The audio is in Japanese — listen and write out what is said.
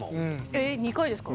ええっ２回ですか？